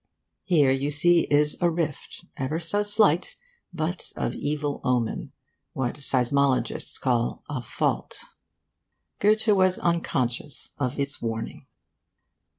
Here, you see, is a rift, ever so slight, but of evil omen; what seismologists call 'a fault.' Goethe was unconscious of its warning.